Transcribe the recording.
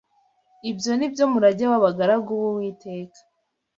Ibyo ni byo murage w’abagaragu b’Uwiteka